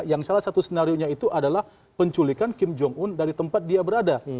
yang salah satu skenario nya itu adalah penculikan kim jong un dari tempat dia berada